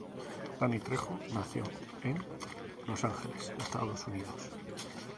Danny Trejo nació en Los Ángeles, Estados Unidos.